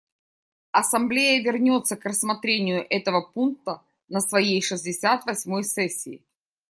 Ассамблея вернется к рассмотрению этого пункта на своей шестьдесят восьмой сессии.